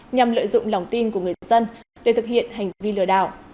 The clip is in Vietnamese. nhằm lợi dụng lòng tin của người dân để thực hiện hành vi lừa đảo